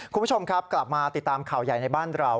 คุณผู้ชมครับกลับมาติดตามข่าวใหญ่ในบ้านเรา